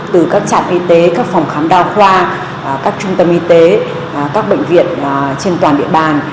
từ các trạm y tế các phòng khám đa khoa các trung tâm y tế các bệnh viện trên toàn địa bàn